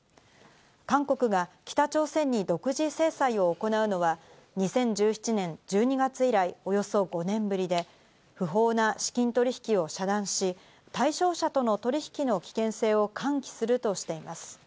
韓国が北朝鮮に独自制裁を行うのは、２０１７年１２月以来、およそ５年ぶりで、不法な資金取引を遮断し、対象者との取引の危険性を喚起するとしています。